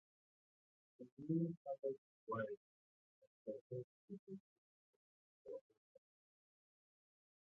The new channel is wide, as compared to the width of the old channel.